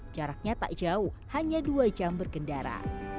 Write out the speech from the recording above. jaraknya tak jauh hanya dua jam berkendara